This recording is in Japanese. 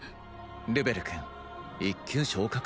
ルベル君１級昇格？